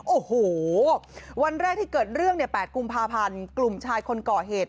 โอ้โหวันแรกที่เกิดเรื่องเนี่ย๘กุมภาพันธ์กลุ่มชายคนก่อเหตุ